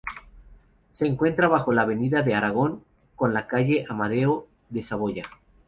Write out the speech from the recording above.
Se encuentra bajo la avenida de Aragón con la calle Amadeo de Saboya.